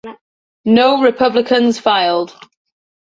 No Republicans filed.